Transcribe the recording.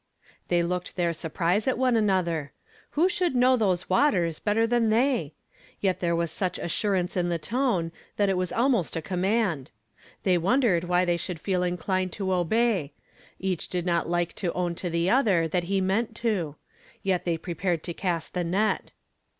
They looked their suri)rise at one another. Who should know those waters better than they? Yet there was such assurance in the tone that it was almost a connnand. They wondered why they should feel inclined to obey ; each did not hke to own to the other that he meant to ; yet they pre pared to cast the net.